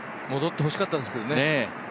戻ってほしかったですけどね。